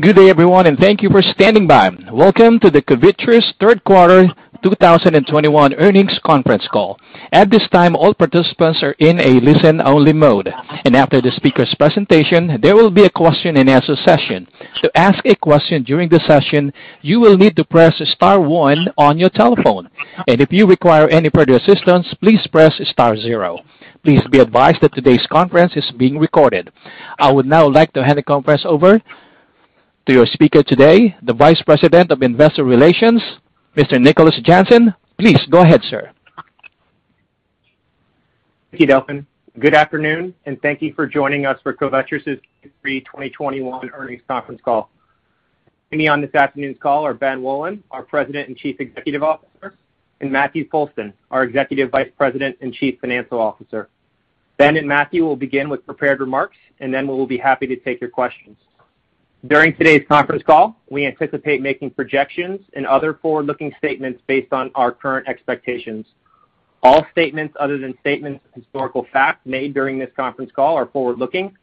Good day, everyone, and thank you for standing by. Welcome to the Covetrus third quarter 2021 earnings conference call. At this time, all participants are in a listen-only mode. After the speaker's presentation, there will be a question-and-answer session. To ask a question during the session, you will need to press star one on your telephone. If you require any further assistance, please press star zero. Please be advised that today's conference is being recorded. I would now like to hand the conference over to your speaker today, the Vice President of Investor Relations, Mr. Nicholas Jansen. Please go ahead, sir. Thank you, Delfin. Good afternoon, and thank you for joining us for Covetrus' 3/20/2021 earnings conference call. Joining me on this afternoon's call are Ben Wolin, our President and Chief Executive Officer, and Matthew Foulston, our Executive Vice President and Chief Financial Officer. Ben and Matthew will begin with prepared remarks, and then we will be happy to take your questions. During today's conference call, we anticipate making projections and other forward-looking statements based on our current expectations. All statements other than statements of historical facts made during this conference call are forward-looking,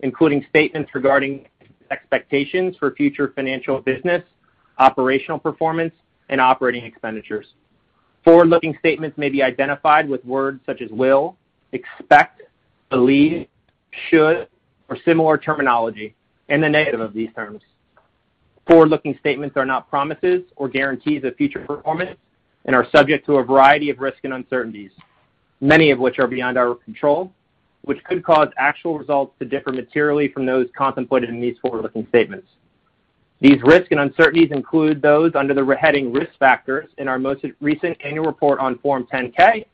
including statements regarding expectations for future financial business, operational performance, and operating expenditures. Forward-looking statements may be identified with words such as will, expect, believe, should, or similar terminology and the negative of these terms. Forward-looking statements are not promises or guarantees of future performance and are subject to a variety of risks and uncertainties, many of which are beyond our control, which could cause actual results to differ materially from those contemplated in these forward-looking statements. These risks and uncertainties include those under the heading Risk Factors in our most recent annual report on Form 10-K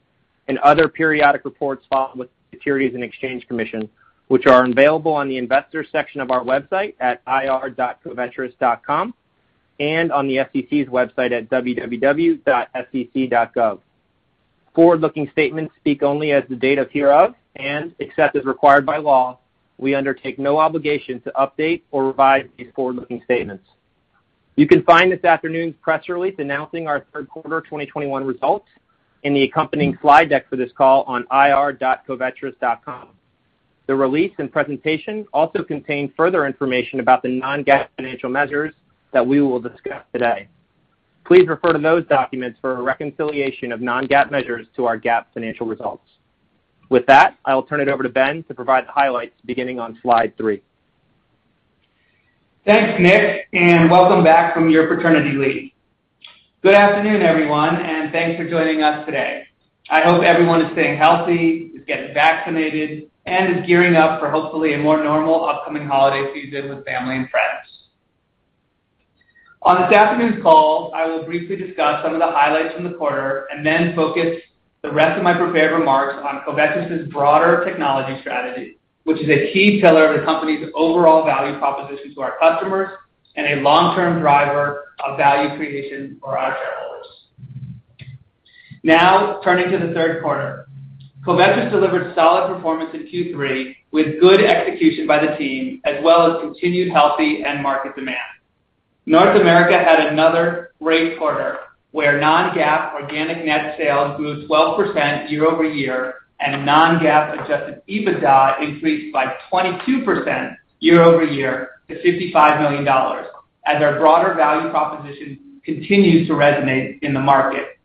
and other periodic reports filed with the Securities and Exchange Commission, which are available on the investors section of our website at ir.covetrus.com and on the SEC's website at www.sec.gov. Forward-looking statements speak only as of the date hereof, and except as required by law, we undertake no obligation to update or revise these forward-looking statements. You can find this afternoon's press release announcing our third quarter 2021 results and the accompanying slide deck for this call on ir.covetrus.com. The release and presentation also contain further information about the non-GAAP financial measures that we will discuss today. Please refer to those documents for a reconciliation of non-GAAP measures to our GAAP financial results. With that, I will turn it over to Ben to provide the highlights beginning on slide three. Thanks, Nick, and welcome back from your paternity leave. Good afternoon, everyone, and thanks for joining us today. I hope everyone is staying healthy, is getting vaccinated, and is gearing up for hopefully a more normal upcoming holiday season with family and friends. On this afternoon's call, I will briefly discuss some of the highlights from the quarter and then focus the rest of my prepared remarks on Covetrus' broader technology strategy, which is a key seller of the company's overall value proposition to our customers and a long-term driver of value creation for our shareholders. Now, turning to the third quarter. Covetrus delivered solid performance in Q3 with good execution by the team, as well as continued healthy end market demand. North America had another great quarter where non-GAAP organic net sales grew 12% year-over-year and non-GAAP adjusted EBITDA increased by 22% year-over-year to $55 million as our broader value proposition continues to resonate in the market.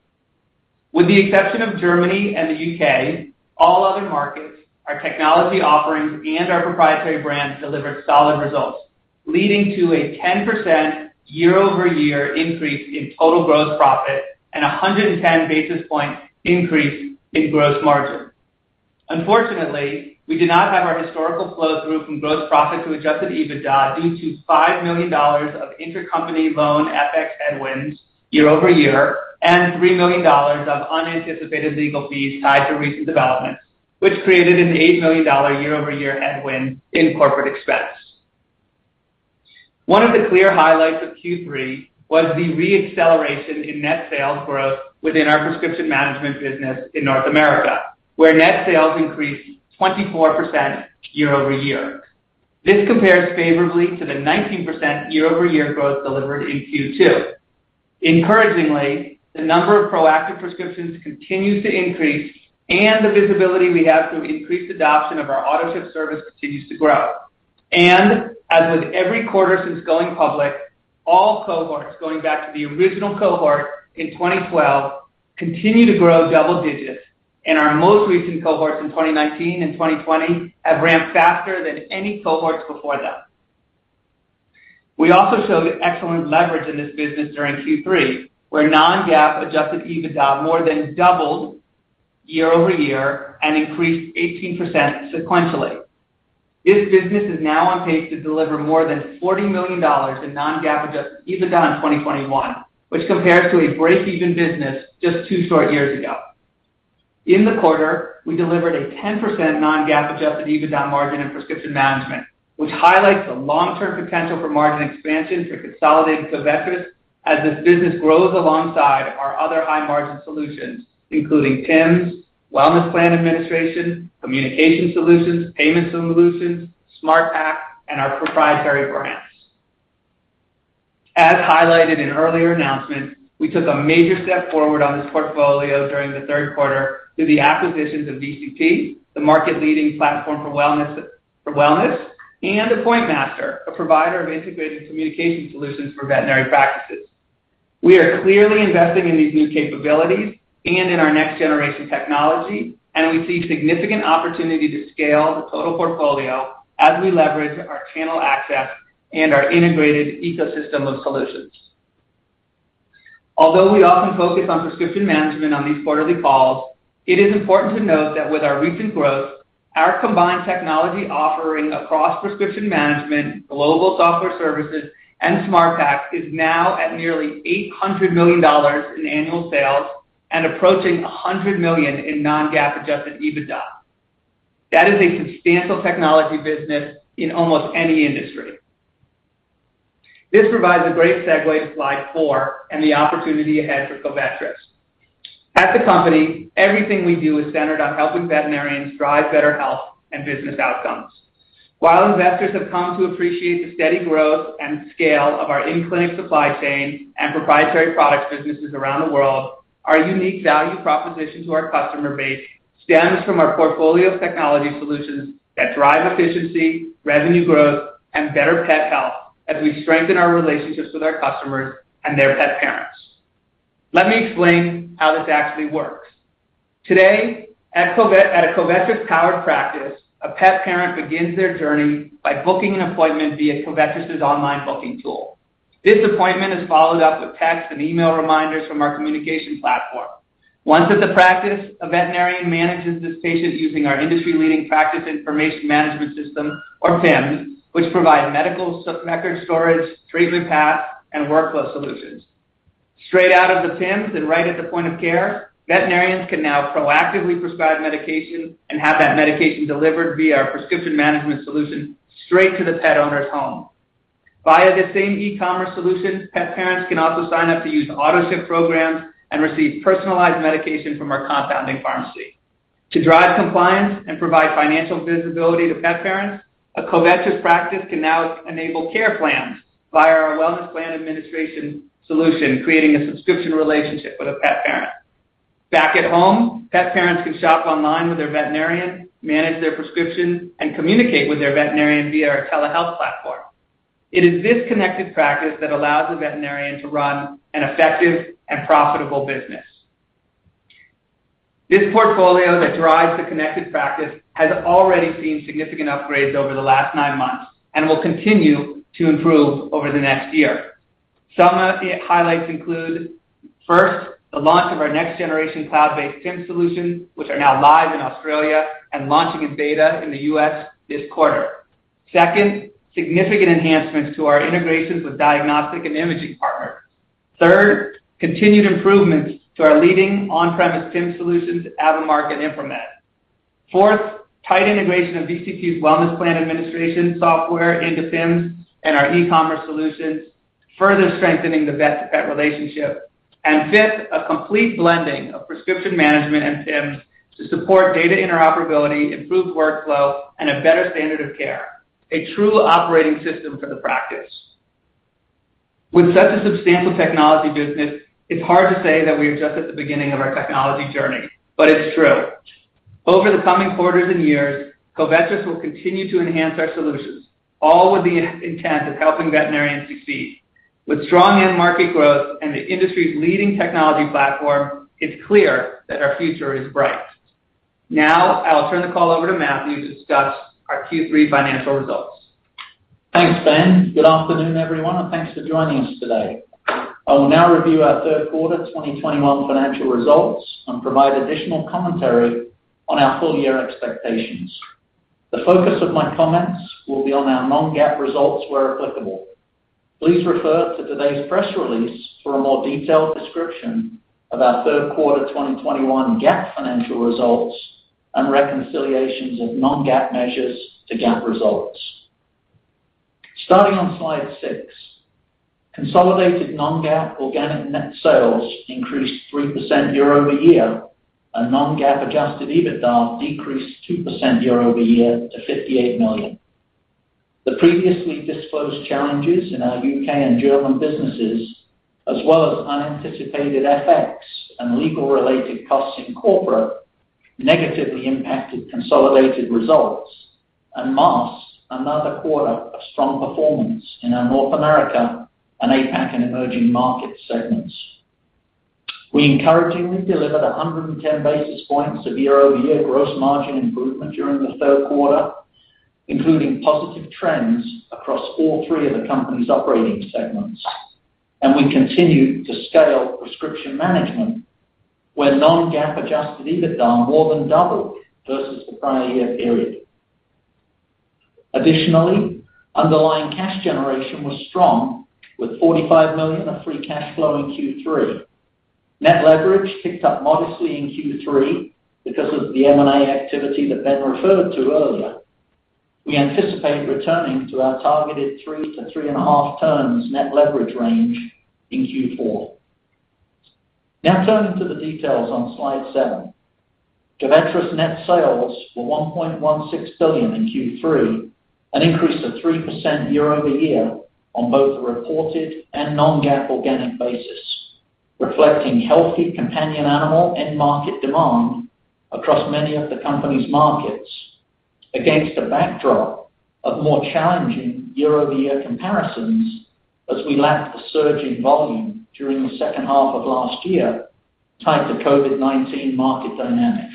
With the exception of Germany and the U.K., all other markets, our technology offerings, and our proprietary brands delivered solid results, leading to a 10% year-over-year increase in total gross profit and a 110 basis point increase in gross margin. Unfortunately, we did not have our historical flow-through from gross profit to adjusted EBITDA due to $5 million of intercompany loan FX headwinds year-over-year and $3 million of unanticipated legal fees tied to recent developments, which created an $8 million year-over-year headwind in corporate expense. One of the clear highlights of Q3 was the re-acceleration in net sales growth within our Prescription Management business in North America, where net sales increased 24% year-over-year. This compares favorably to the 19% year-over-year growth delivered in Q2. Encouragingly, the number of proactive prescriptions continues to increase and the visibility we have through increased adoption of our autoship service continues to grow. As with every quarter since going public, all cohorts going back to the original cohort in 2012 continue to grow double digits, and our most recent cohorts in 2019 and 2020 have ramped faster than any cohorts before them. We also showed excellent leverage in this business during Q3, where non-GAAP adjusted EBITDA more than doubled year-over-year and increased 18% sequentially. This business is now on pace to deliver more than $40 million in non-GAAP adjusted EBITDA in 2021, which compares to a breakeven business just two short years ago. In the quarter, we delivered a 10% non-GAAP adjusted EBITDA margin in Prescription Management, which highlights the long-term potential for margin expansion for consolidated Covetrus as this business grows alongside our other high-margin solutions, including PIMS, wellness plan administration, communication solutions, payments solutions, SmartPak, and our proprietary brands. As highlighted in earlier announcements, we took a major step forward on this portfolio during the third quarter through the acquisitions of VCP, the market-leading platform for wellness, and AppointMaster, a provider of integrated communication solutions for veterinary practices. We are clearly investing in these new capabilities and in our next-generation technology, and we see significant opportunity to scale the total portfolio as we leverage our channel access and our integrated ecosystem of solutions. Although we often focus on Prescription Management on these quarterly calls, it is important to note that with our recent growth, our combined technology offering across Prescription Management, global software services, and SmartPak is now at nearly $800 million in annual sales and approaching $100 million in non-GAAP adjusted EBITDA. That is a substantial technology business in almost any industry. This provides a great segue to slide four and the opportunity ahead for Covetrus. At the company, everything we do is centered on helping veterinarians drive better health and business outcomes. While investors have come to appreciate the steady growth and scale of our in-clinic supply chain and proprietary product businesses around the world, our unique value proposition to our customer base stems from our portfolio of technology solutions that drive efficiency, revenue growth, and better pet health as we strengthen our relationships with our customers and their pet parents. Let me explain how this actually works. Today, at a Covetrus-powered practice, a pet parent begins their journey by booking an appointment via Covetrus's online booking tool. This appointment is followed up with text and email reminders from our communication platform. Once at the practice, a veterinarian manages this patient using our industry-leading practice information management system, or PIMS, which provide medical record storage, treatment path, and workflow solutions. Straight out of the PIMS and right at the point of care, veterinarians can now proactively prescribe medication and have that medication delivered via our Prescription Management solution straight to the pet owner's home. Via the same e-commerce solution, pet parents can also sign up to use auto-ship programs and receive personalized medication from our compounding pharmacy. To drive compliance and provide financial visibility to pet parents, a Covetrus practice can now enable care plans via our wellness plan administration solution, creating a subscription relationship with a pet parent. Back at home, pet parents can shop online with their veterinarian, manage their prescription, and communicate with their veterinarian via our telehealth platform. It is this connected practice that allows a veterinarian to run an effective and profitable business. This portfolio that drives the connected practice has already seen significant upgrades over the last nine months and will continue to improve over the next year. Some highlights include, first, the launch of our next-generation cloud-based PIMS solution, which are now live in Australia and launching in beta in the U.S. this quarter. Second, significant enhancements to our integrations with diagnostic and imaging partners. Third, continued improvements to our leading on-premise PIMS solutions, AVImark and ImproMed. Fourth, tight integration of VCP's wellness plan administration software into PIMS and our e-commerce solutions, further strengthening the vet-to-pet relationship. Fifth, a complete blending of Prescription Management and PIMS to support data interoperability, improved workflow, and a better standard of care, a true operating system for the practice. With such a substantial technology business, it's hard to say that we are just at the beginning of our technology journey, but it's true. Over the coming quarters and years, Covetrus will continue to enhance our solutions, all with the intent of helping veterinarians succeed. With strong end market growth and the industry's leading technology platform, it's clear that our future is bright. Now, I'll turn the call over to Matthew to discuss our Q3 financial results. Thanks, Ben. Good afternoon, everyone, and thanks for joining us today. I will now review our third quarter 2021 financial results and provide additional commentary on our full year expectations. The focus of my comments will be on our non-GAAP results where applicable. Please refer to today's press release for a more detailed description of our third quarter 2021 GAAP financial results and reconciliations of non-GAAP measures to GAAP results. Starting on slide six. Consolidated non-GAAP organic net sales increased 3% year-over-year, and non-GAAP adjusted EBITDA decreased 2% year-over-year to $58 million. The previously disclosed challenges in our U.K. and German businesses, as well as unanticipated FX and legal-related costs in corporate, negatively impacted consolidated results and masked another quarter of strong performance in our North America and APAC and emerging market segments. We encouragingly delivered 110 basis points of year-over-year gross margin improvement during the third quarter, including positive trends across all three of the company's operating segments. We continued to scale Prescription Management, where non-GAAP adjusted EBITDA more than doubled versus the prior year period. Additionally, underlying cash generation was strong with $45 million of free cash flow in Q3. Net leverage ticked up modestly in Q3 because of the M&A activity that Ben referred to earlier. We anticipate returning to our targeted three to three and half turns net leverage range in Q4. Now turning to the details on slide seven. Covetrus net sales were $1.16 billion in Q3, an increase of 3% year-over-year on both a reported and non-GAAP organic basis, reflecting healthy companion animal end market demand across many of the company's markets against a backdrop of more challenging year-over-year comparisons as we lap the surge in volume during the second half of last year tied to COVID-19 market dynamics.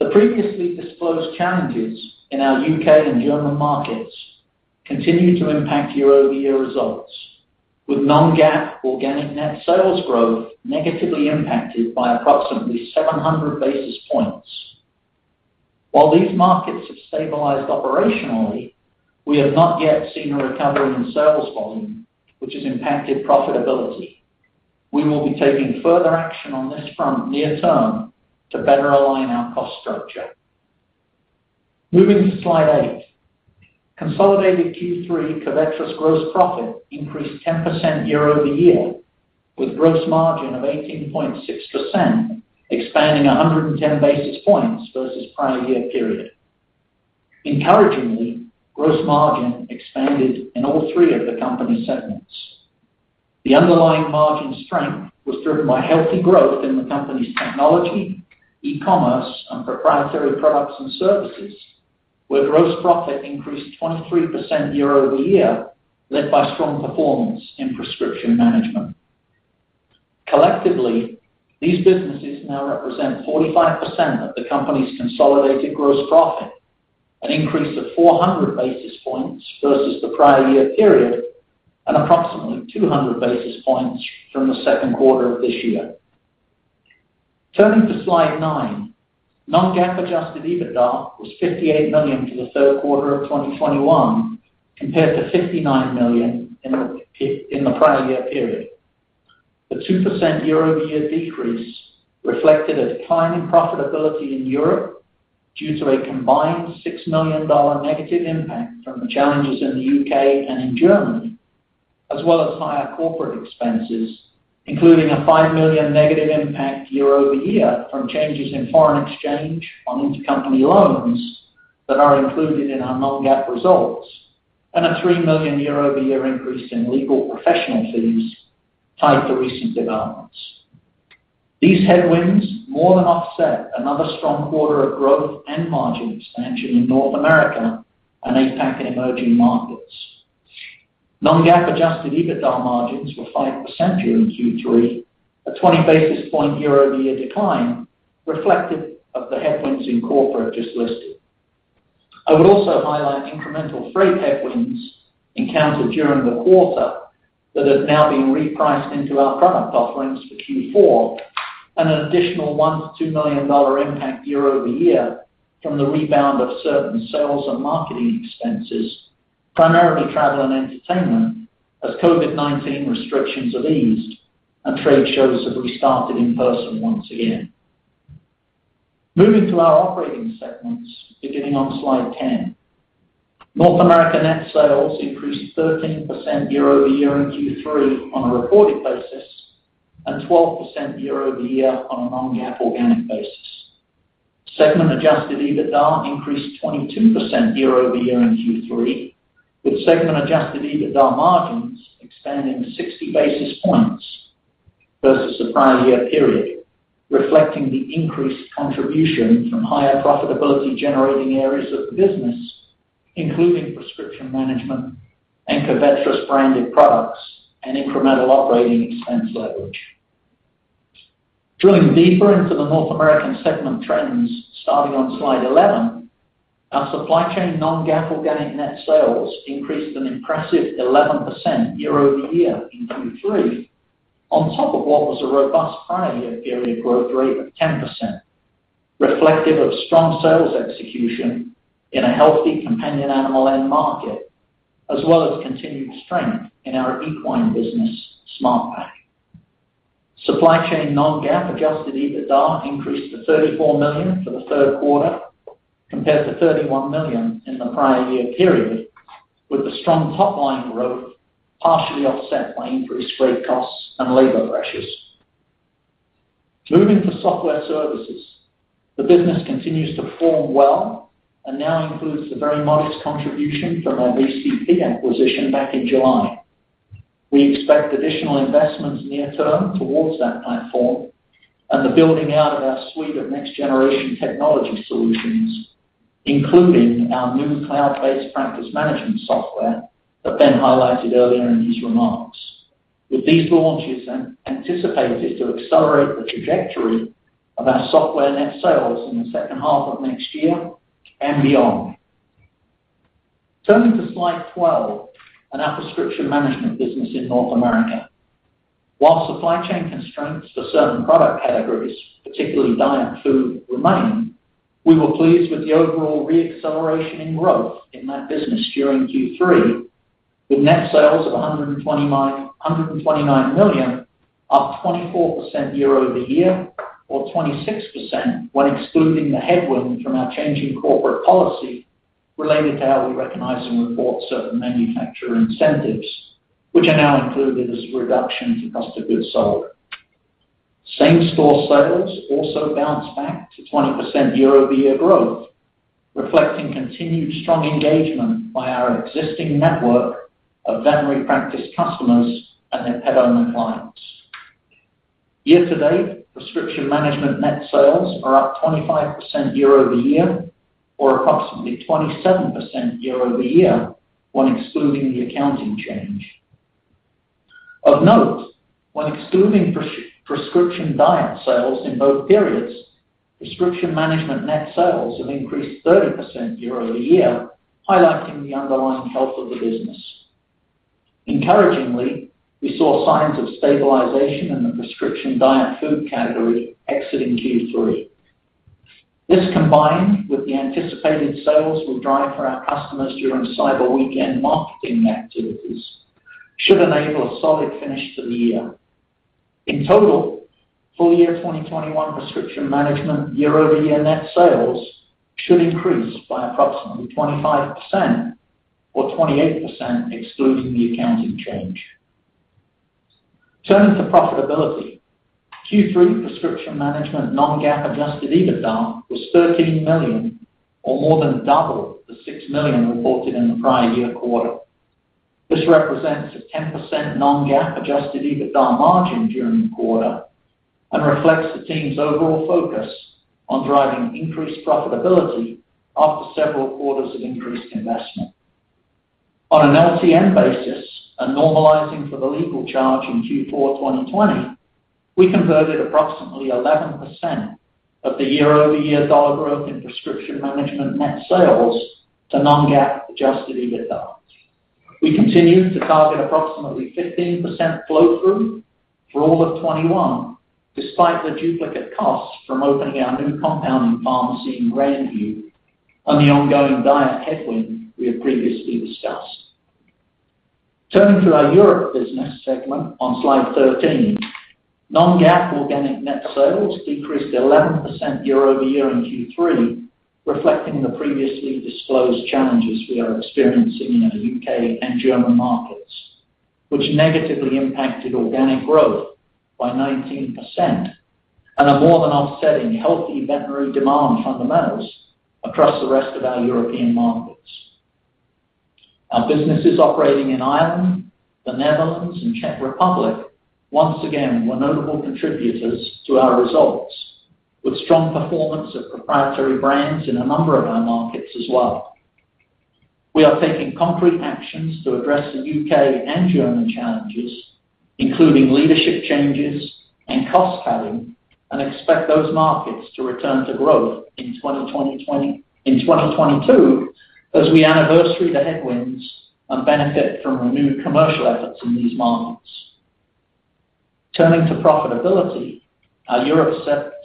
The previously disclosed challenges in our U.K. and German markets continue to impact year-over-year results, with non-GAAP organic net sales growth negatively impacted by approximately 700 basis points. While these markets have stabilized operationally, we have not yet seen a recovery in sales volume, which has impacted profitability. We will be taking further action on this front near term to better align our cost structure. Moving to slide eight. Consolidated Q3 Covetrus gross profit increased 10% year-over-year, with gross margin of 18.6% expanding 110 basis points versus prior year period. Encouragingly, gross margin expanded in all three of the company segments. The underlying margin strength was driven by healthy growth in the company's technology, e-commerce, and proprietary products and services, where gross profit increased 23% year-over-year, led by strong performance in Prescription Management. Collectively, these businesses now represent 45% of the company's consolidated gross profit, an increase of 400 basis points versus the prior year period, and approximately 200 basis points from the second quarter of this year. Turning to slide nine. Non-GAAP adjusted EBITDA was $58 million for the third quarter of 2021 compared to $59 million in the prior year period. The 2% year-over-year decrease reflected a decline in profitability in Europe due to a combined $6 million negative impact from the challenges in the U.K. and in Germany, as well as higher corporate expenses, including a $5 million negative impact year-over-year from changes in foreign exchange on intercompany loans that are included in our non-GAAP results and a $3 million year-over-year increase in legal professional fees tied to recent developments. These headwinds more than offset another strong quarter of growth and margin expansion in North America and APAC and emerging markets. Non-GAAP adjusted EBITDA margins were 5% during Q3, a 20 basis points year-over-year decline reflective of the headwinds in corporate just listed. I would also highlight incremental freight headwinds encountered during the quarter that have now been repriced into our product offerings for Q4 and an additional $1 million-$2 million impact year-over-year from the rebound of certain sales and marketing expenses, primarily travel and entertainment as COVID-19 restrictions have eased and trade shows have restarted in person once again. Moving to our operating segments, beginning on slide 10. North America net sales increased 13% year-over-year in Q3 on a reported basis, and 12% year-over-year on a non-GAAP organic basis. Segment adjusted EBITDA increased 22% year-over-year in Q3, with segment adjusted EBITDA margins expanding 60 basis points versus the prior year period, reflecting the increased contribution from higher profitability generating areas of the business, including Prescription Management and Covetrus-branded products and incremental operating expense leverage. Drilling deeper into the North American segment trends starting on slide 11, our supply chain non-GAAP organic net sales increased an impressive 11% year-over-year in Q3 on top of what was a robust prior year period growth rate of 10%, reflective of strong sales execution in a healthy companion animal end market, as well as continued strength in our equine business, SmartPak. Supply chain non-GAAP adjusted EBITDA increased to $34 million for the third quarter compared to $31 million in the prior year period, with the strong top-line growth partially offset by increased freight costs and labor pressures. Moving to software services. The business continues to perform well and now includes a very modest contribution from our VCP acquisition back in July. We expect additional investments near term towards that platform and the building out of our suite of next-generation technology solutions, including our new cloud-based practice management software that Ben highlighted earlier in his remarks. With these launches anticipated to accelerate the trajectory of our software net sales in the second half of next year and beyond. Turning to slide 12 and our Prescription Management business in North America. While supply chain constraints for certain product categories, particularly diet food, remain, we were pleased with the overall re-acceleration in growth in that business during Q3, with net sales of $129 million, up 24% year-over-year or 26% when excluding the headwind from our change in corporate policy related to how we recognize and report certain manufacturer incentives, which are now included as a reduction to cost of goods sold. Same-store sales also bounced back to 20% year-over-year growth, reflecting continued strong engagement by our existing network of veterinary practice customers and their pet owner clients. Year-to-date, Prescription Management net sales are up 25% year-over-year or approximately 27% year-over-year when excluding the accounting change. Of note, when excluding prescription diet sales in both periods, Prescription Management net sales have increased 30% year-over-year, highlighting the underlying health of the business. Encouragingly, we saw signs of stabilization in the prescription diet food category exiting Q3. This combined with the anticipated sales we drive for our customers during cyber weekend marketing activities should enable a solid finish to the year. In total, full year 2021 Prescription Management year-over-year net sales should increase by approximately 25% or 28% excluding the accounting change. Turning to profitability. Q3 Prescription Management non-GAAP adjusted EBITDA was $13 million or more than double the $6 million reported in the prior year quarter. This represents a 10% non-GAAP adjusted EBITDA margin during the quarter, and reflects the team's overall focus on driving increased profitability after several quarters of increased investment. On an LTM basis, and normalizing for the legal charge in Q4 2020, we converted approximately 11% of the year-over-year dollar growth in Prescription Management net sales to non-GAAP adjusted EBITDA. We continue to target approximately 15% flow-through for all of 2021, despite the duplicate costs from opening our new compounding pharmacy in Grandview and the ongoing diet headwind we have previously discussed. Turning to our Europe business segment on slide 13. Non-GAAP organic net sales decreased 11% year-over-year in Q3, reflecting the previously disclosed challenges we are experiencing in the U.K. and German markets, which negatively impacted organic growth by 19% and are more than offsetting healthy veterinary demand fundamentals across the rest of our European markets. Our businesses operating in Ireland, the Netherlands, and Czech Republic once again were notable contributors to our results, with strong performance of proprietary brands in a number of our markets as well. We are taking concrete actions to address the U.K. and German challenges, including leadership changes and cost cutting, and expect those markets to return to growth in 2022 as we anniversary the headwinds and benefit from renewed commercial efforts in these markets. Turning to profitability, our Europe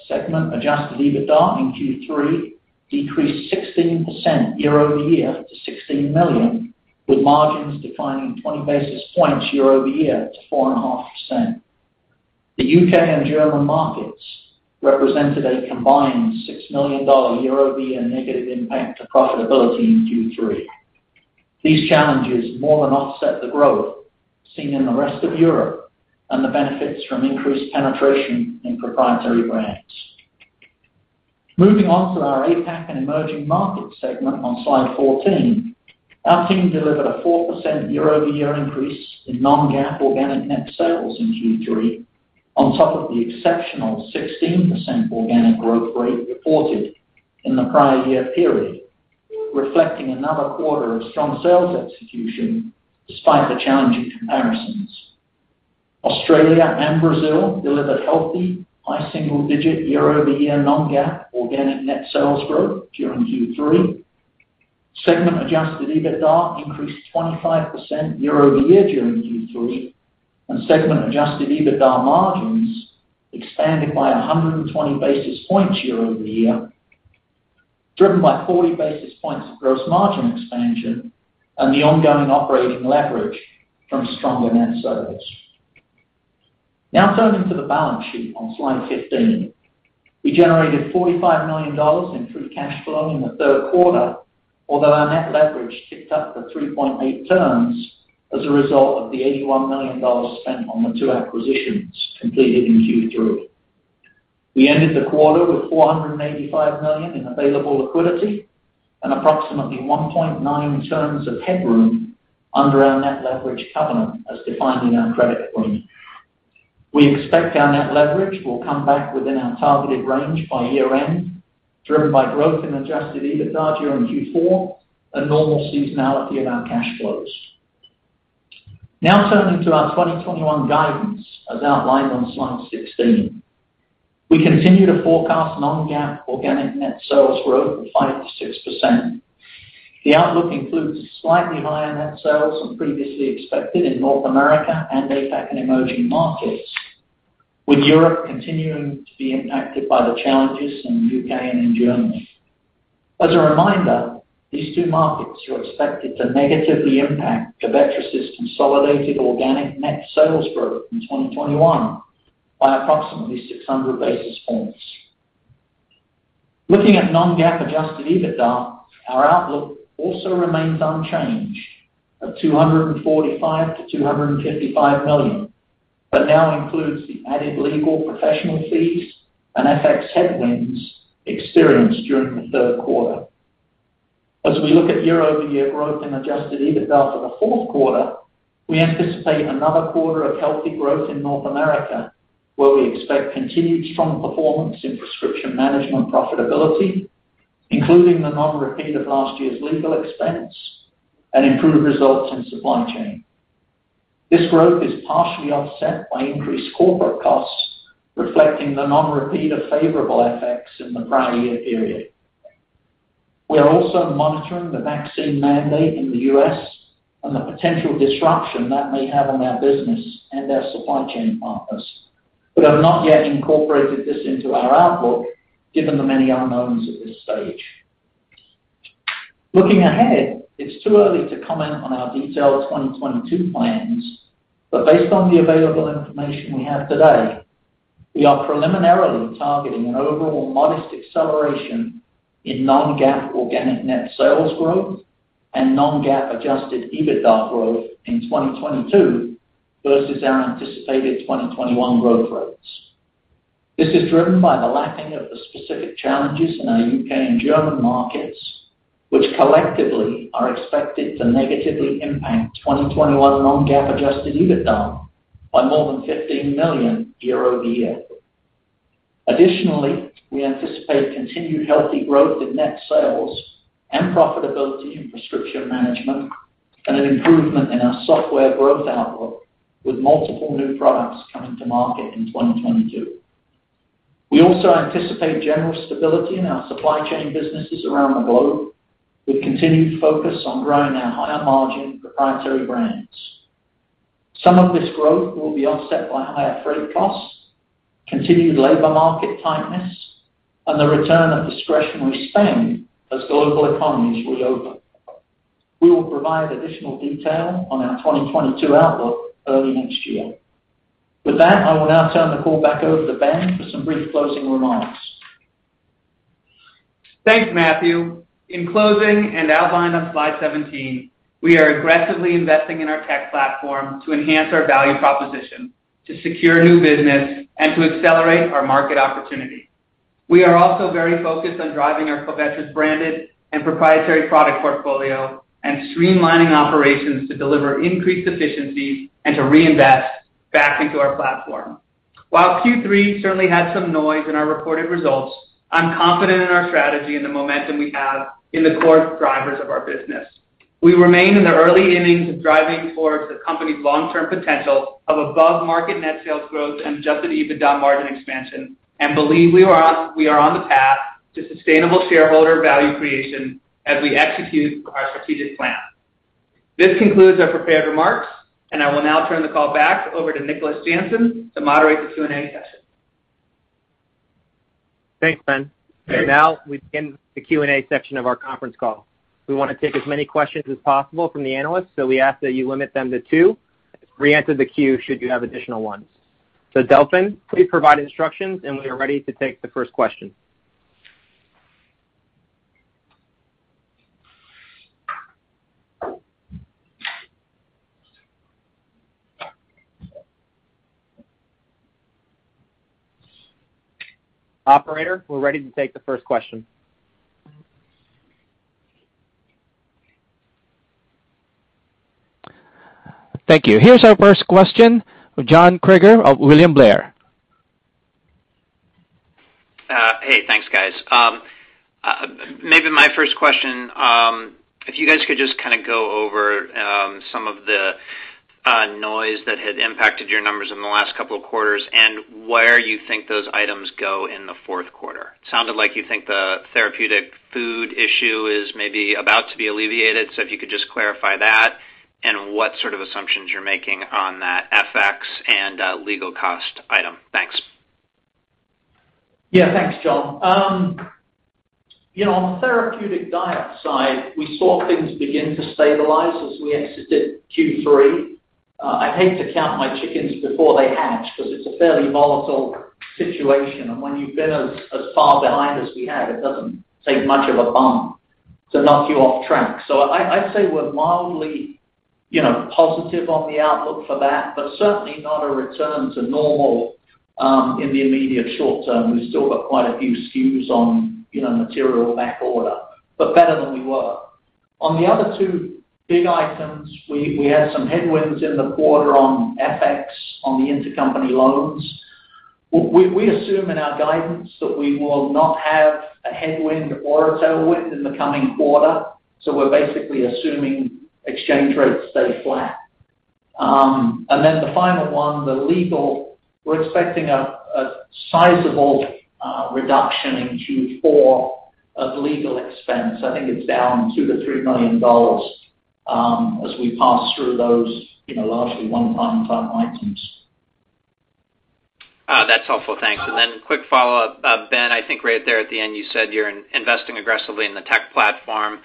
segment adjusted EBITDA in Q3 decreased 16% year-over-year to $16 million, with margins declining 20 basis points year-over-year to 4.5%. The U.K. and German markets represented a combined $6 million year-over-year negative impact to profitability in Q3. These challenges more than offset the growth seen in the rest of Europe and the benefits from increased penetration in proprietary brands. Moving on to our APAC and emerging markets segment on slide 14. Our team delivered a 4% year-over-year increase in non-GAAP organic net sales in Q3, on top of the exceptional 16% organic growth rate reported in the prior year period, reflecting another quarter of strong sales execution despite the challenging comparisons. Australia and Brazil delivered healthy high single-digit year-over-year non-GAAP organic net sales growth during Q3. Segment adjusted EBITDA increased 25% year-over-year during Q3, and segment adjusted EBITDA margins expanded by 120 basis points year-over-year, driven by 40 basis points of gross margin expansion and the ongoing operating leverage from stronger net sales. Now turning to the balance sheet on slide 15. We generated $45 million in free cash flow in the third quarter, although our net leverage ticked up to 3.8x as a result of the $81 million spent on the two acquisitions completed in Q3. We ended the quarter with $485 million in available liquidity and approximately 1.9x of headroom under our net leverage covenant, as defined in our credit agreement. We expect our net leverage will come back within our targeted range by year-end, driven by growth in adjusted EBITDA during Q4 and normal seasonality of our cash flows. Now turning to our 2021 guidance as outlined on slide 16. We continue to forecast non-GAAP organic net sales growth of 5%-6%. The outlook includes slightly higher net sales than previously expected in North America and APAC and emerging markets, with Europe continuing to be impacted by the challenges in U.K. and in Germany. As a reminder, these two markets are expected to negatively impact Covetrus' consolidated organic net sales growth in 2021 by approximately 600 basis points. Looking at non-GAAP adjusted EBITDA, our outlook also remains unchanged of $245 million-$255 million, but now includes the added legal professional fees and FX headwinds experienced during the third quarter. As we look at year-over-year growth in adjusted EBITDA for the fourth quarter, we anticipate another quarter of healthy growth in North America, where we expect continued strong performance in Prescription Management profitability, including the non-repeat of last year's legal expense and improved results in supply chain. This growth is partially offset by increased corporate costs, reflecting the non-repeat of favorable effects in the prior year period. We are also monitoring the vaccine mandate in the U.S. and the potential disruption that may have on our business and our supply chain partners, but have not yet incorporated this into our outlook given the many unknowns at this stage. Looking ahead, it's too early to comment on our detailed 2022 plans, but based on the available information we have today, we are preliminarily targeting an overall modest acceleration in non-GAAP organic net sales growth and non-GAAP adjusted EBITDA growth in 2022 versus our anticipated 2021 growth rates. This is driven by the lack of the specific challenges in our U.K. and German markets, which collectively are expected to negatively impact 2021 non-GAAP adjusted EBITDA by more than $15 million year-over-year. Additionally, we anticipate continued healthy growth in net sales and profitability in Prescription Management and an improvement in our software growth outlook with multiple new products coming to market in 2022. We also anticipate general stability in our supply chain businesses around the globe with continued focus on growing our higher margin proprietary brands. Some of this growth will be offset by higher freight costs, continued labor market tightness, and the return of discretionary spend as global economies reopen. We will provide additional detail on our 2022 outlook early next year. With that, I will now turn the call back over to Ben for some brief closing remarks. Thanks, Matthew. In closing and outlined on slide 17, we are aggressively investing in our tech platform to enhance our value proposition, to secure new business and to accelerate our market opportunity. We are also very focused on driving our Covetrus branded and proprietary product portfolio and streamlining operations to deliver increased efficiencies and to reinvest back into our platform. While Q3 certainly had some noise in our reported results, I'm confident in our strategy and the momentum we have in the core drivers of our business. We remain in the early innings of driving towards the company's long-term potential of above-market net sales growth and adjusted EBITDA margin expansion and believe we are on the path to sustainable shareholder value creation as we execute our strategic plan. This concludes our prepared remarks, and I will now turn the call back over to Nicholas Jansen to moderate the Q&A session. Thanks, Ben. Now we begin the Q&A section of our conference call. We wanna take as many questions as possible from the analysts, so we ask that you limit them to two. Re-enter the queue should you have additional ones. Delphine, please provide instructions, and we are ready to take the first question. Operator, we're ready to take the first question. Thank you. Here's our first question, John Kreger of William Blair. Hey, thanks, guys. Maybe my first question, if you guys could just kinda go over some of the noise that had impacted your numbers in the last couple of quarters and where you think those items go in the fourth quarter. Sounded like you think the therapeutic food issue is maybe about to be alleviated, so if you could just clarify that and what sort of assumptions you're making on that FX and legal cost item. Thanks. Yeah. Thanks, John. You know, on the therapeutic diet side, we saw things begin to stabilize as we exited Q3. I hate to count my chickens before they hatch 'cause it's a fairly volatile situation. When you've been as far behind as we have, it doesn't take much of a bump to knock you off track. I'd say we're mildly, you know, positive on the outlook for that, but certainly not a return to normal in the immediate short term. We've still got quite a few SKUs on, you know, material backorder, but better than we were. On the other two big items, we had some headwinds in the quarter on FX on the intercompany loans. We assume in our guidance that we will not have a headwind or a tailwind in the coming quarter, so we're basically assuming exchange rates stay flat. The final one, the legal, we're expecting a sizable reduction in Q4 of legal expense. I think it's down $2-3 million as we pass through those, you know, largely one-time type items. That's helpful. Thanks. Quick follow-up, Ben. I think right there at the end, you said you're investing aggressively in the tech platform.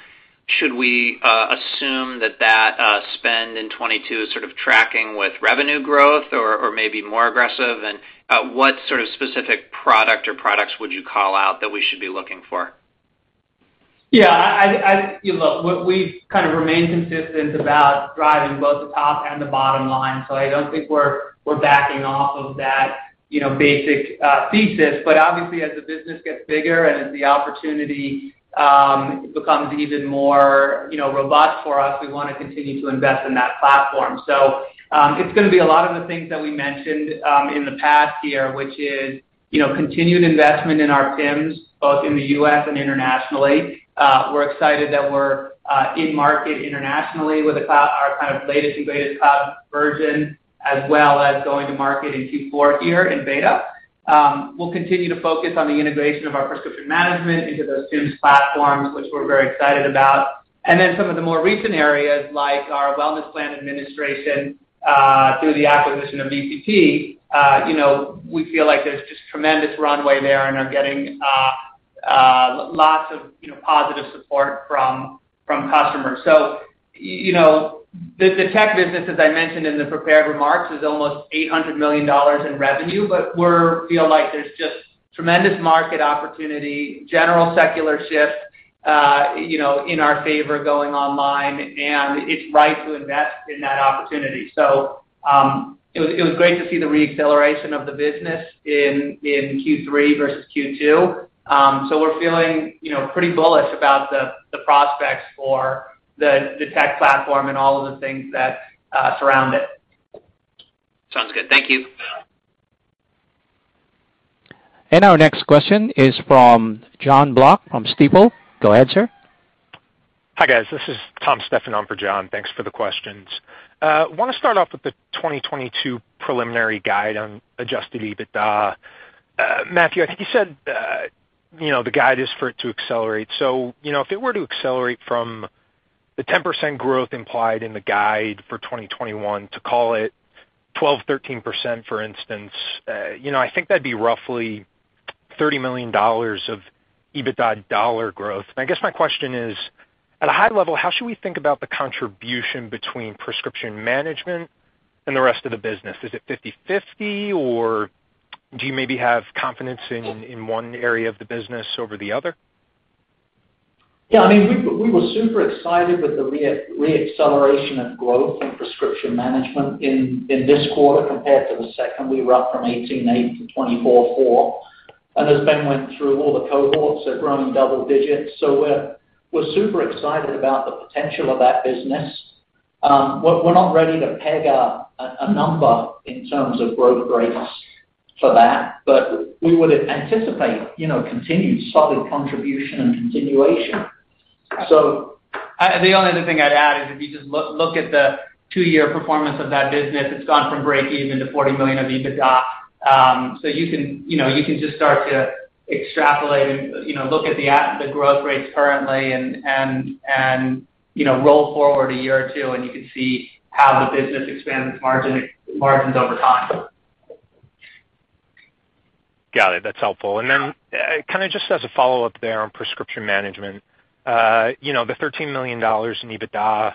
Should we assume that spend in 2022 is sort of tracking with revenue growth or maybe more aggressive? What sort of specific product or products would you call out that we should be looking for? Yeah, you know, what we've kind of remained consistent about driving both the top and the bottom line, so I don't think we're backing off of that, you know, basic thesis. Obviously, as the business gets bigger and as the opportunity becomes even more, you know, robust for us, we wanna continue to invest in that platform. It's gonna be a lot of the things that we mentioned in the past year, which is, you know, continued investment in our PIMS, both in the U.S. and internationally. We're excited that we're in market internationally with a cloud, our kind of latest and greatest cloud version, as well as going to market in Q4 here in beta. We'll continue to focus on the integration of our Prescription Management into those PIMS platforms, which we're very excited about. Some of the more recent areas, like our wellness plan administration, through the acquisition of VCP, you know, we feel like there's just tremendous runway there and are getting lots of, you know, positive support from customers. You know, the tech business, as I mentioned in the prepared remarks, is almost $800 million in revenue, but we feel like there's just tremendous market opportunity, general secular shift, you know, in our favor going online, and it's right to invest in that opportunity. It was great to see the re-acceleration of the business in Q3 versus Q2. We're feeling, you know, pretty bullish about the prospects for the tech platform and all of the things that surround it. Sounds good. Thank you. Our next question is from John Block from Stifel. Go ahead, sir. Hi, guys. This is Tom Stephanon for John. Thanks for the questions. I wanna start off with the 2022 preliminary guide on adjusted EBITDA. Matthew, I think you said, you know, the guide is for it to accelerate. You know, if it were to accelerate from the 10% growth implied in the guide for 2021 to call it 12%-13%, for instance, you know, I think that'd be roughly $30 million of EBITDA dollar growth. I guess my question is, at a high level, how should we think about the contribution between Prescription Management and the rest of the business? Is it 50/50, or do you maybe have confidence in one area of the business over the other? Yeah. I mean, we were super excited with the reacceleration of growth in Prescription Management in this quarter compared to the second. We were up from 18.8%-24.4%. As Ben went through, all the cohorts are growing double digits, so we're super excited about the potential of that business. We're not ready to peg a number in terms of growth rates for that, but we would anticipate, you know, continued solid contribution and continuation. The only other thing I'd add is if you just look at the two-year performance of that business, it's gone from breakeven to $40 million of EBITDA. So you can, you know, you can just start to extrapolate and, you know, look at the growth rates currently and, you know, roll forward a year or two, and you can see how the business expands its margins over time. Got it. That's helpful. Then, kind of just as a follow-up there on Prescription Management, you know, the $13 million in EBITDA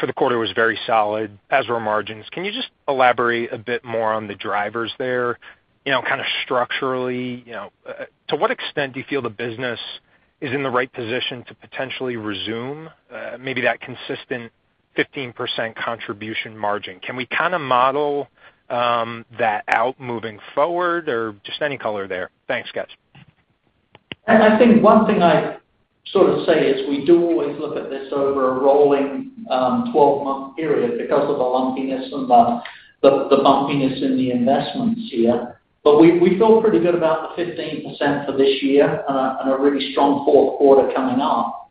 for the quarter was very solid, as were margins. Can you just elaborate a bit more on the drivers there, you know, kind of structurally? You know, to what extent do you feel the business is in the right position to potentially resume maybe that consistent 15% contribution margin? Can we kind of model that out moving forward, or just any color there? Thanks, guys. I think one thing I'd sort of say is we do always look at this over a rolling twelve-month period because of the lumpiness and the bumpiness in the investments here. We feel pretty good about the 15% for this year and a really strong fourth quarter coming up.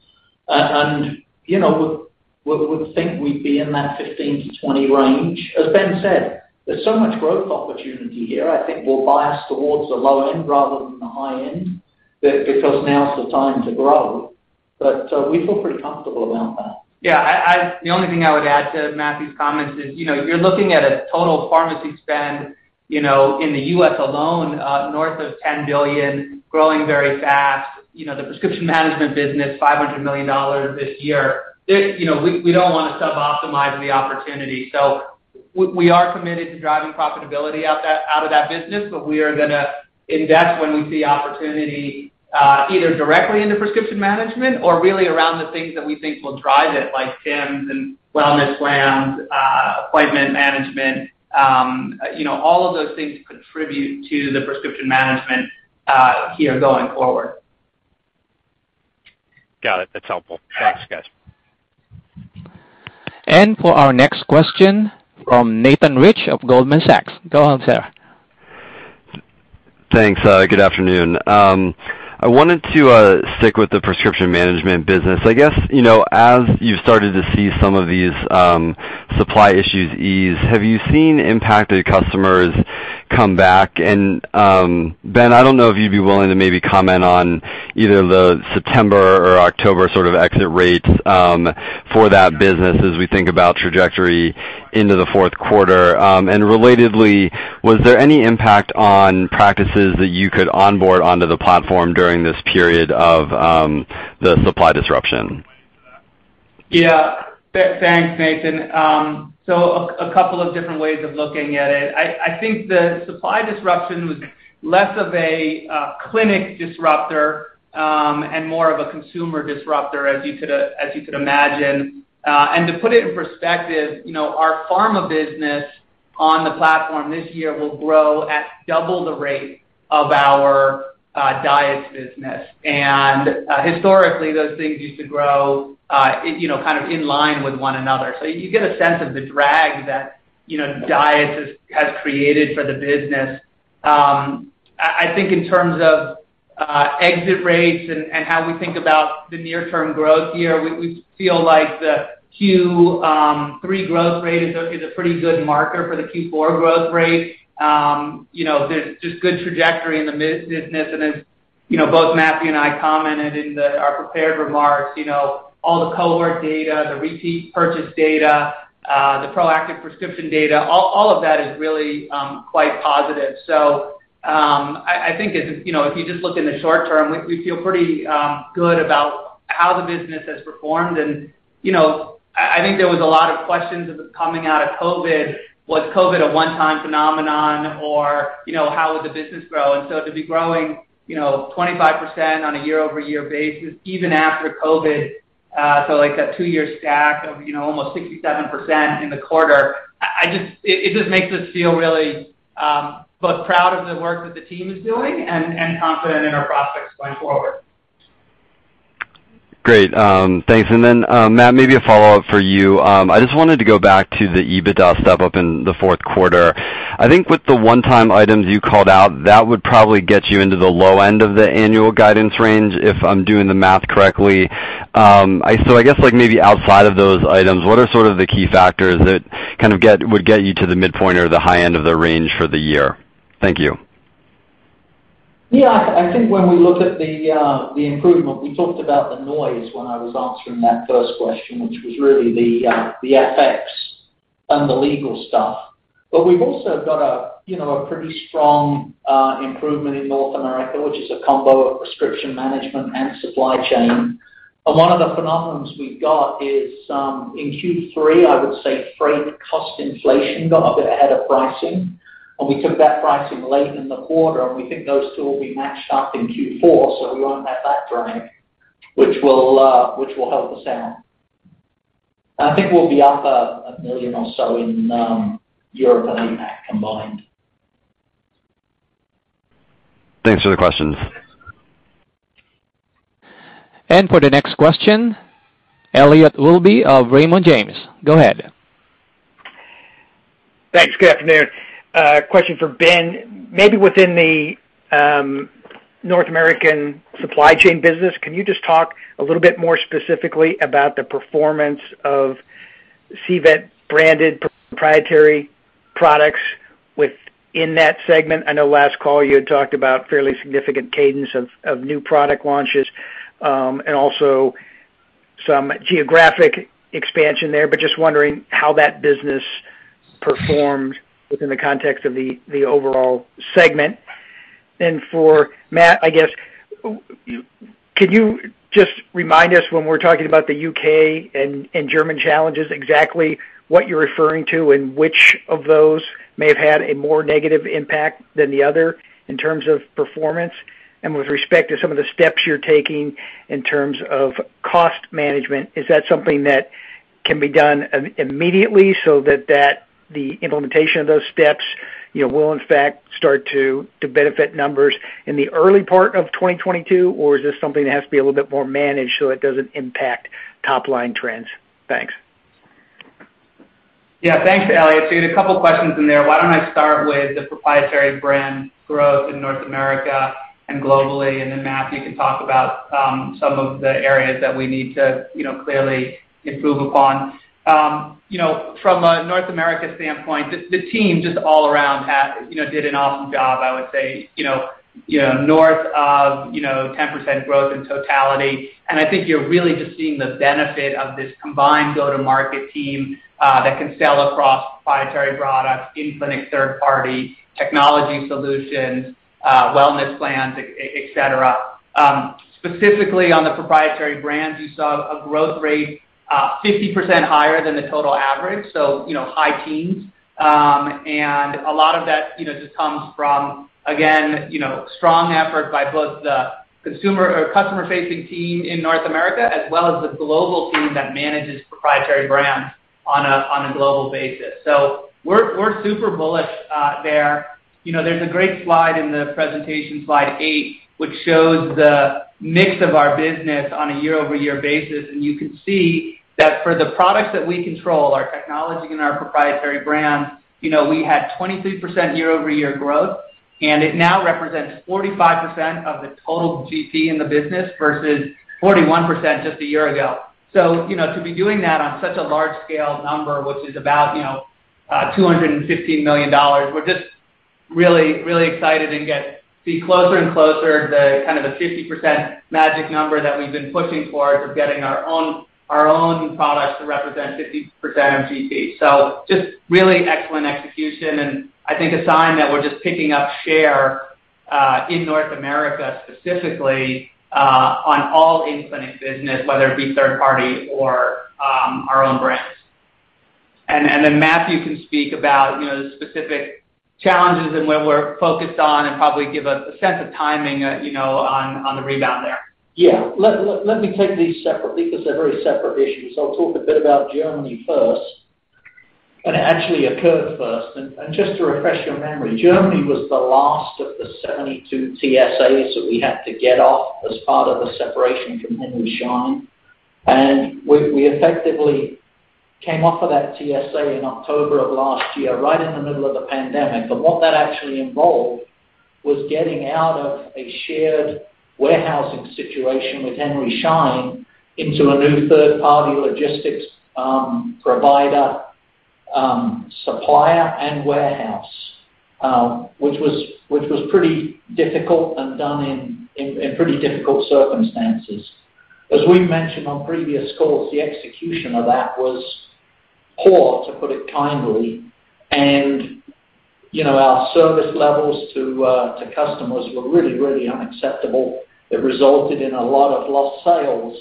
We would think we'd be in that 15%-20% range. As Ben said, there's so much growth opportunity here, I think we'll bias towards the low end rather than the high end because now's the time to grow. We feel pretty comfortable about that. Yeah, the only thing I would add to Matthew's comments is, you know, you're looking at a total pharmacy spend, you know, in the U.S. alone, north of $10 billion, growing very fast. You know, the Prescription Management business, $500 million this year. You know, we don't wanna sub-optimize the opportunity. We are committed to driving profitability out of that business, but we are gonna invest when we see opportunity, either directly into Prescription Management or really around the things that we think will drive it, like PIMs and wellness plans, appointment management. You know, all of those things contribute to the Prescription Management here going forward. Got it. That's helpful. Thanks, guys. For our next question from Nathan Rich of Goldman Sachs. Go ahead, sir. Thanks. Good afternoon. I wanted to stick with the prescription management business. I guess, you know, as you started to see some of these supply issues ease, have you seen impacted customers come back? Ben, I don't know if you'd be willing to maybe comment on either the September or October sort of exit rates for that business as we think about trajectory into the fourth quarter. Relatedly, was there any impact on practices that you could onboard onto the platform during this period of the supply disruption? Yeah. Thanks, Nathan. So a couple of different ways of looking at it. I think the supply disruption was less of a clinic disruptor and more of a consumer disruptor as you could imagine. To put it in perspective, you know, our pharma business on the platform this year will grow at double the rate of our diets business. Historically, those things used to grow you know, kind of in line with one another. You get a sense of the drag that you know, diets has created for the business. I think in terms of exit rates and how we think about the near term growth year, we feel like the Q3 growth rate is a pretty good marker for the Q4 growth rate. You know, there's just good trajectory in the business. As you know, both Matthew and I commented in our prepared remarks, you know, all the cohort data, the repeat purchase data, the proactive prescription data, all of that is really quite positive. I think if you know, if you just look in the short term, we feel pretty good about how the business has performed. You know, I think there was a lot of questions coming out of COVID. Was COVID a one-time phenomenon or, you know, how would the business grow? To be growing, you know, 25% on a year-over-year basis even after COVID, so like that two-year stack of, you know, almost 67% in the quarter, I just It just makes us feel really both proud of the work that the team is doing and confident in our prospects going forward. Great. Thanks. Matt, maybe a follow-up for you. I just wanted to go back to the EBITDA step-up in the fourth quarter. I think with the one-time items you called out, that would probably get you into the low end of the annual guidance range, if I'm doing the math correctly. I guess, like maybe outside of those items, what are sort of the key factors that kind of would get you to the midpoint or the high end of the range for the year? Thank you. Yeah. I think when we look at the improvement, we talked about the noise when I was answering that first question, which was really the FX and the legal stuff. We've also got, you know, a pretty strong improvement in North America, which is a combo of Prescription Management and supply chain. One of the phenomena we've got is in Q3, I would say freight cost inflation got a bit ahead of pricing, and we took that pricing late in the quarter, and we think those two will be matched up in Q4, so we won't have that drag, which will help us out. I think we'll be up $1 million or so in Europe and APAC combined. Thanks for the questions. For the next question, Elliot Wilbur of Raymond James. Go ahead. Thanks. Good afternoon. Question for Ben. Maybe within the North American supply chain business, can you just talk a little bit more specifically about the performance of CVET-branded proprietary products within that segment? I know last call you had talked about fairly significant cadence of new product launches, and also some geographic expansion there, but just wondering how that business performed within the context of the overall segment. Then for Matt, I guess you can just remind us when we're talking about the U.K. and German challenges, exactly what you're referring to and which of those may have had a more negative impact than the other in terms of performance? With respect to some of the steps you're taking in terms of cost management, is that something that can be done immediately so that the implementation of those steps, you know, will in fact start to benefit numbers in the early part of 2022? Or is this something that has to be a little bit more managed so it doesn't impact top line trends? Thanks. Yeah. Thanks, Elliot. So you had a couple questions in there. Why don't I start with the proprietary brand growth in North America and globally, and then Matt, you can talk about some of the areas that we need to, you know, clearly improve upon. You know, from a North America standpoint, the team just all around have, you know, did an awesome job. I would say, you know, north of 10% growth in totality. I think you're really just seeing the benefit of this combined go-to-market team that can sell across proprietary products, in-clinic third party, technology solutions, wellness plans, et cetera. Specifically on the proprietary brands, you saw a growth rate 50% higher than the total average, so, you know, high teens. A lot of that, you know, just comes from, again, you know, strong effort by both the consumer or customer-facing team in North America as well as the global team that manages proprietary brands on a global basis. We're super bullish there. You know, there's a great slide in the presentation, slide eight, which shows the mix of our business on a year-over-year basis. You can see that for the products that we control, our technology and our proprietary brands, you know, we had 23% year-over-year growth, and it now represents 45% of the total GP in the business versus 41% just a year ago. you know, to be doing that on such a large scale number, which is about $215 million, we're just really excited and getting closer and closer to the 50% magic number that we've been pushing for for getting our own products to represent 50% of GP. Just really excellent execution, and I think a sign that we're just picking up share in North America, specifically, on all in-clinic business, whether it be third party or our own brands. Then Matthew can speak about, you know, the specific challenges and where we're focused on and probably give a sense of timing, you know, on the rebound there. Yeah. Let me take these separately because they're very separate issues. I'll talk a bit about Germany first, and it actually occurred first. Just to refresh your memory, Germany was the last of the 72 TSAs that we had to get off as part of the separation from Henry Schein. We effectively came off of that TSA in October of last year, right in the middle of the pandemic. What that actually involved was getting out of a shared warehousing situation with Henry Schein into a new third-party logistics provider, supplier, and warehouse, which was pretty difficult and done in pretty difficult circumstances. As we mentioned on previous calls, the execution of that was poor, to put it kindly. You know, our service levels to customers were really, really unacceptable. It resulted in a lot of lost sales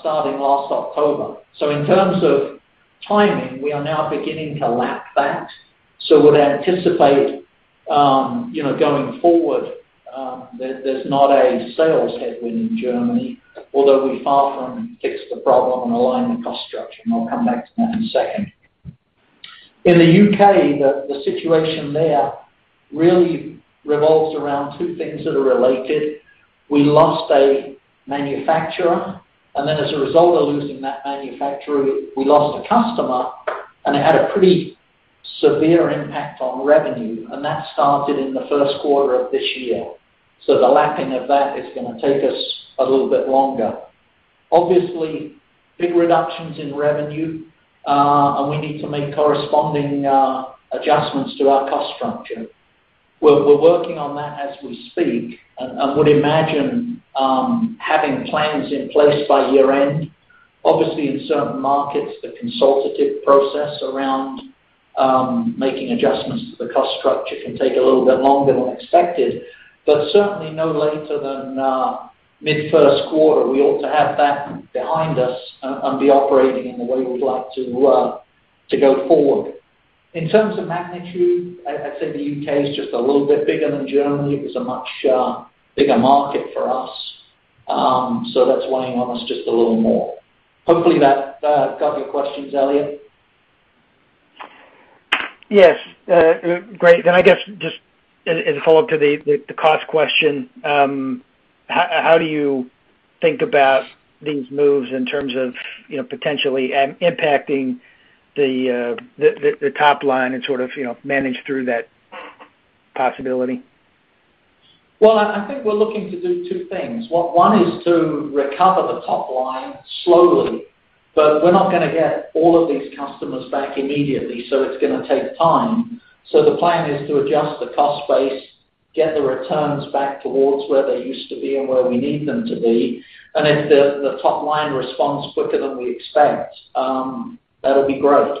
starting last October. In terms of timing, we are now beginning to lap that. Would anticipate you know going forward there's not a sales headwind in Germany, although we're far from fixed the problem and align the cost structure, and I'll come back to that in a second. In the U.K., the situation there really revolves around two things that are related. We lost a manufacturer, and then as a result of losing that manufacturer, we lost a customer, and it had a pretty severe impact on revenue. That started in the first quarter of this year. The lapping of that is gonna take us a little bit longer. Obviously, big reductions in revenue and we need to make corresponding adjustments to our cost structure. We're working on that as we speak and would imagine having plans in place by year-end. Obviously, in certain markets, the consultative process around making adjustments to the cost structure can take a little bit longer than expected. Certainly no later than mid first quarter, we ought to have that behind us and be operating in the way we'd like to go forward. In terms of magnitude, I'd say the U.K. is just a little bit bigger than Germany. It was a much bigger market for us. That's weighing on us just a little more. Hopefully that got your questions, Elliot. Yes. Great. I guess just as a follow-up to the cost question, how do you think about these moves in terms of, you know, potentially impacting the top line and sort of, you know, manage through that possibility? Well, I think we're looking to do two things. One is to recover the top line slowly, but we're not gonna get all of these customers back immediately, so it's gonna take time. The plan is to adjust the cost base, get the returns back towards where they used to be and where we need them to be. If the top line responds quicker than we expect, that'll be great.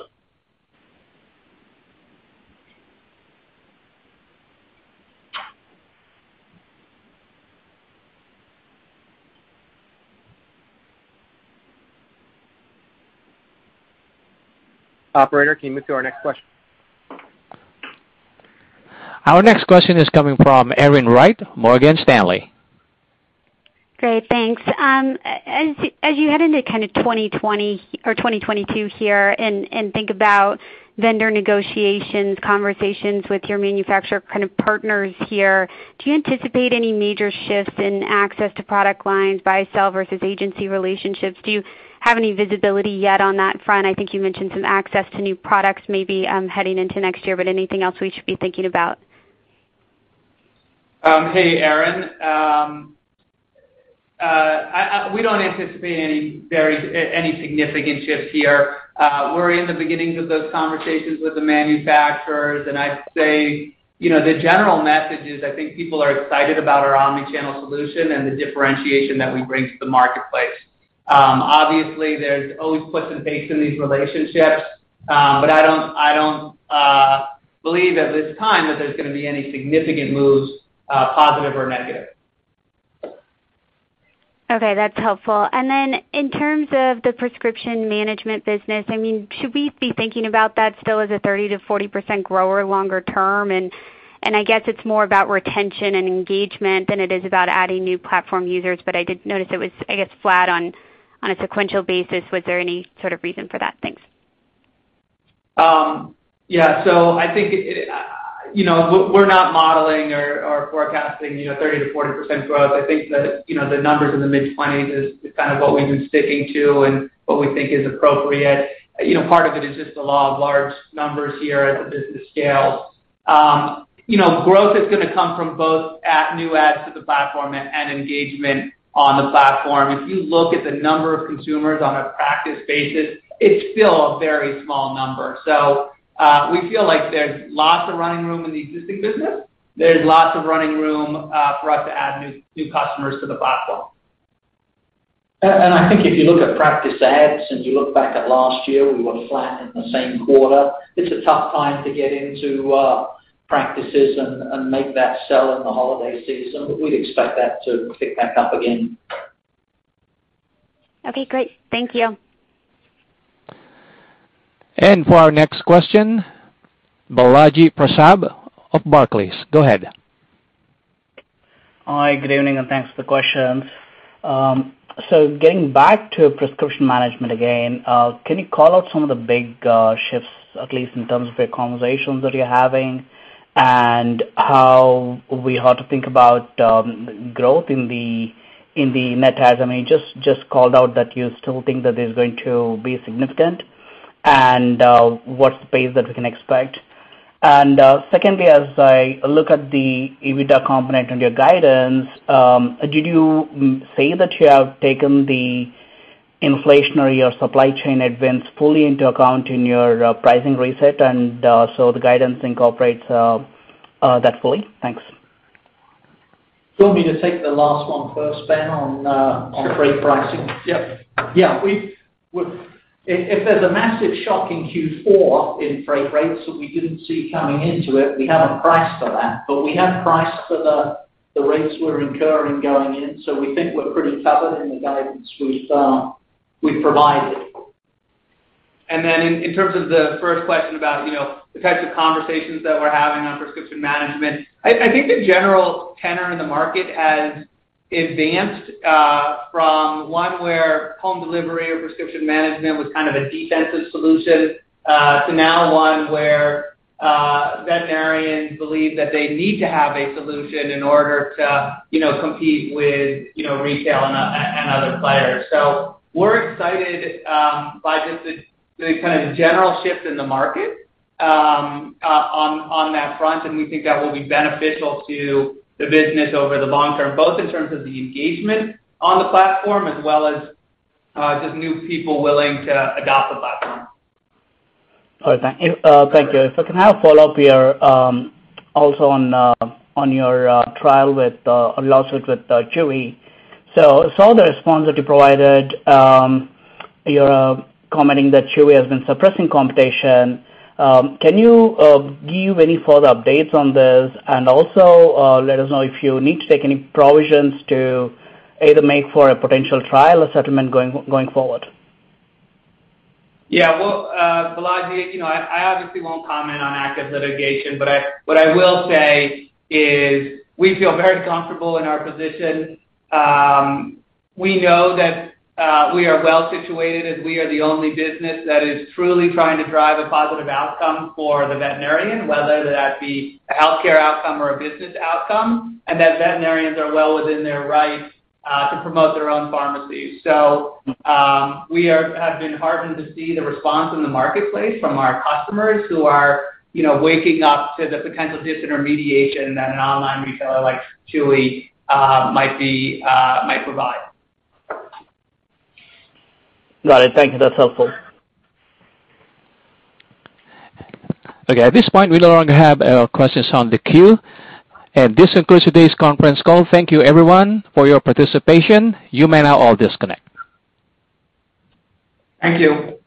Operator, can you move to our next question? Our next question is coming from Erin Wright, Morgan Stanley. Great. Thanks. As you head into kind of 2020 or 2022 here and think about vendor negotiations, conversations with your manufacturer kind of partners here, do you anticipate any major shifts in access to product lines, buy/sell versus agency relationships? Do you have any visibility yet on that front? I think you mentioned some access to new products maybe, heading into next year, but anything else we should be thinking about? Hey, Erin. We don't anticipate any significant shift here. We're in the beginnings of those conversations with the manufacturers, and I'd say, you know, the general message is I think people are excited about our omni-channel solution and the differentiation that we bring to the marketplace. Obviously, there's always puts and takes in these relationships, but I don't believe at this time that there's gonna be any significant moves, positive or negative. Okay, that's helpful. Then in terms of the Prescription Management business, I mean, should we be thinking about that still as a 30%-40% grower longer term? and I guess it's more about retention and engagement than it is about adding new platform users, but I did notice it was, I guess, flat on a sequential basis. Was there any sort of reason for that? Thanks. Yeah. I think, you know, we're not modeling or forecasting, you know, 30%-40% growth. I think the, you know, the numbers in the mid-20s is kind of what we've been sticking to and what we think is appropriate. You know, part of it is just the law of large numbers here as the business scales. Growth is gonna come from both new adds to the platform and engagement on the platform. If you look at the number of consumers on a practice basis, it's still a very small number. We feel like there's lots of running room in the existing business. There's lots of running room for us to add new customers to the platform. I think if you look at practice ads and you look back at last year, we were flat in the same quarter. It's a tough time to get into practices and make that sell in the holiday season, but we'd expect that to pick back up again. Okay, great. Thank you. For our next question, Balaji Prasad of Barclays. Go ahead. Hi, good evening, and thanks for the questions. So getting back to Prescription Management again, can you call out some of the big shifts, at least in terms of the conversations that you're having and how we ought to think about growth in the net. I mean, just called out that you still think that it's going to be significant and what's the pace that we can expect? Secondly, as I look at the EBITDA component in your guidance, did you say that you have taken the inflationary or supply chain advance fully into account in your pricing reset, and so the guidance incorporates that fully? Thanks. You want me to take the last one first, Ben, on freight pricing? Sure. Yep. Yeah. If there's a massive shock in Q4 in freight rates that we didn't see coming into it, we haven't priced for that. We have priced for the rates we're incurring going in, so we think we're pretty covered in the guidance we've provided. In terms of the first question about, you know, the types of conversations that we're having on Prescription Management, I think the general tenor in the market has advanced from one where home delivery or Prescription Management was kind of a defensive solution to now one where veterinarians believe that they need to have a solution in order to, you know, compete with, you know, retail and other players. We're excited by just the kind of general shift in the market on that front, and we think that will be beneficial to the business over the long term, both in terms of the engagement on the platform as well as just new people willing to adopt the platform. All right. Thank you. Thank you. If I can have a follow-up here, also on your trial with or lawsuit with Chewy. Saw the response that you provided, you're commenting that Chewy has been suppressing competition. Can you give any further updates on this? Also, let us know if you need to take any provisions to either make for a potential trial or settlement going forward. Yeah. Well, Balaji, you know, I obviously won't comment on active litigation, but what I will say is we feel very comfortable in our position. We know that we are well situated as we are the only business that is truly trying to drive a positive outcome for the veterinarian, whether that be a healthcare outcome or a business outcome, and that veterinarians are well within their right to promote their own pharmacy. We have been heartened to see the response in the marketplace from our customers who are, you know, waking up to the potential disintermediation that an online retailer like Chewy might provide. Got it. Thank you. That's helpful. Okay, at this point, we no longer have any more questions on the queue. This concludes today's conference call. Thank you, everyone, for your participation. You may now all disconnect. Thank you.